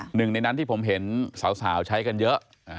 หนึ่งในนั้นที่ผมเห็นสาวใช้กันเยอะ